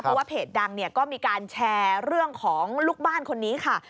เพราะว่าเพจดังเนี่ยก็มีการแชร์เรื่องของลูกบ้านคนนี้ค่ะ